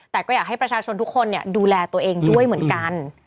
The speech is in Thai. แต่ก็อยากให้ประชาชนทุกคนดูแลตัวเองด้วยเหมือนกัน